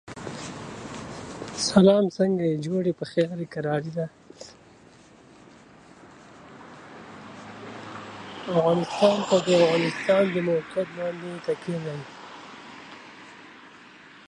افغانستان په د افغانستان د موقعیت باندې تکیه لري.